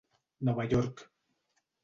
Nova York.